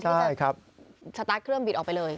ที่จะสตาร์ทเครื่องบีดออกไปเลย